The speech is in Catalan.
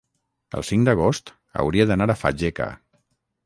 El cinc d'agost hauria d'anar a Fageca.